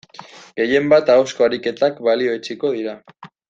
Gehien bat ahozko ariketak balioetsiko dira.